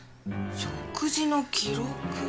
食事の記録。